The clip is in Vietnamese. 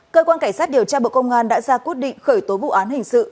cơ quan cảnh sát điều tra bộ công an đã ra quyết định khởi tố vụ án hình sự